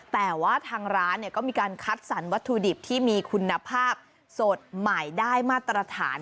แต่ว่าทางร้านก็มีการคัดสรรวัตถุดิบที่มีคุณภาพสดใหม่ได้มาตรฐาน